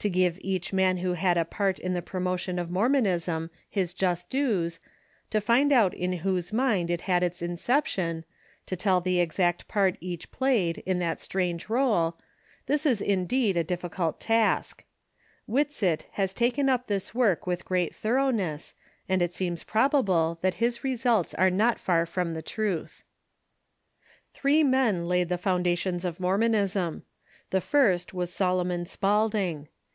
To give to each man who had a part in the promotion of Mormonisra his just dues, to find out in whose mind it had its inception, to tell the exact part each played in that strange role — this is indeed a difficult task, Whitsitt has taken up this work with great thoroughness, and it seems probable that his results are not far from the truth. Three men laid the foundations of Mormonism. The first was Solomon Spaulding.